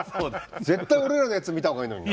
絶対俺らのやつ見た方がいいのにな。